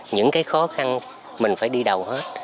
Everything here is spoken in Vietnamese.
những cái khó khăn mình phải đi đầu hết